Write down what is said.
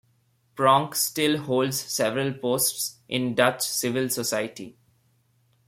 Pronk still holds several posts in Dutch civil society.